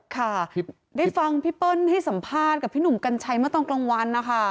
ค่ะได้ฟังพี่เปิ้ลให้สัมภาษณ์ผู้ชิมกันชัยมาตอนกลางวัน